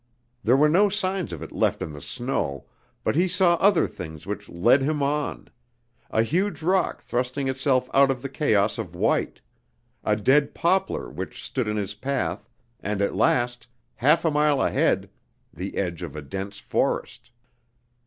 There were no signs of it left in the snow, but he saw other things which led him on: a huge rock thrusting itself out of the chaos of white, a dead poplar which stood in his path, and at last, half a mile ahead, the edge of a dense forest.